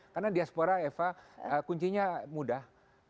karena diaspora eva kuncinya mudah